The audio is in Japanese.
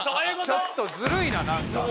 ちょっとずるいななんか。